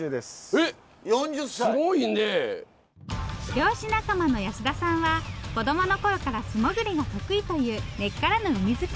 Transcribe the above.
漁師仲間の保田さんは子供のころから素潜りが得意という根っからの海好き。